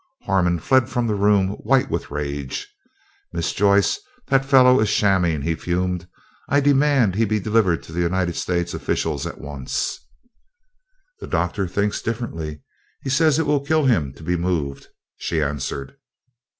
Harmon fled from the room white with rage. "Miss Joyce, that fellow is shamming," he fumed. "I demand he be delivered to the United States officials at once." "The Doctor thinks differently; he says it will kill him to be moved," she answered.